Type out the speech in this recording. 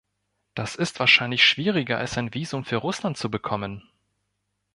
Das ist wahrscheinlich schwieriger, als ein Visum für Russland zu bekommen!